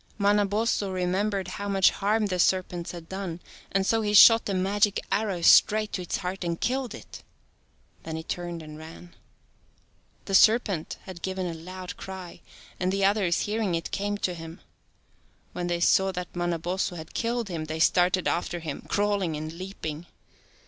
Manabozho remembered how much harm the serpents had done and so he shot a magic arrow straight to its heart and killed it. Then he turned and ran. The serpent had given a loud cry, and the others hearing it came to him. When they saw that Manabozho had killed him, they started after him, crawling and leaping.